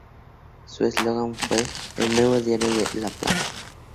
Su eslogan fue ""El nuevo diario de La Plata"".